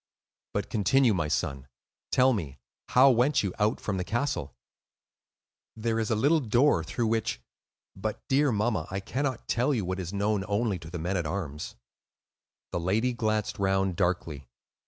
"But continue, my son; tell me, how went you out from the castle?" "There is a little door through which—but dear mamma, I cannot tell you what is known only to the men at arms." The lady glanced round darkly.